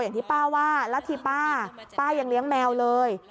อย่างที่ป้าว่าแล้วที่ป้ายังเลี้ยงแมวเลย